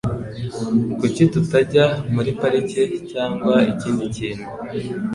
Kuki tutajya muri parike cyangwa ikindi kintu?